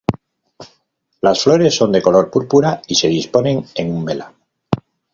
Las flores son de color púrpura y se disponen en umbela.